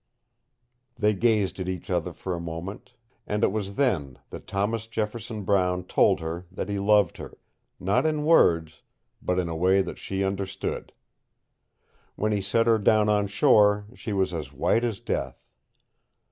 They gazed at each other for a moment, and it was then that Thomas Jefferson Brown told her that he loved her not in words, but in a way that she understood. When he set her down on shore she was as white as death.